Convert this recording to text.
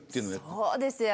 そうですよ。